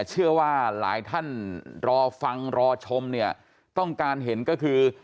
เชื่อว่าหลายท่านรอฟังรอชมเนี่ยต้องการเห็นก็คือ